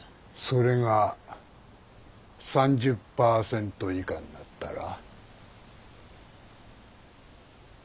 それが３０％以下になったら。